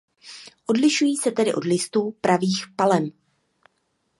Odlišují se tedy od listů „pravých palem“.